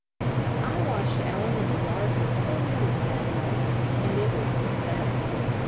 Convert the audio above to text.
I watched Ellen in the yard for ten minutes that day, and it was pathetic.